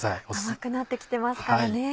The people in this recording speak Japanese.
甘くなって来てますからね。